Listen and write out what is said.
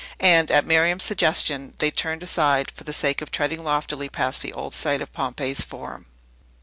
And, at Miriam's suggestion, they turned aside, for the sake of treading loftily past the old site of Pompey's Forum.